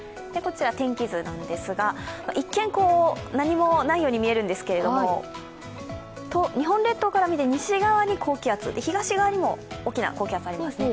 天気図、一見、何もないように見えるんですが、日本列島から見て西側に高気圧東側にも大きな高気圧がありますね。